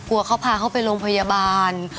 เขาพาเขาไปโรงพยาบาล